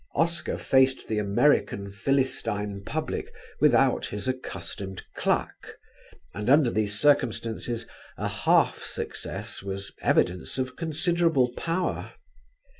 Oscar faced the American Philistine public without his accustomed claque, and under these circumstances a half success was evidence of considerable power.